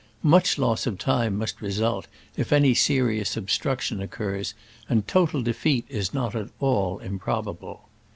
Much loss of time must result if any serious obstruction occurs, and total defeat is not at all im probable.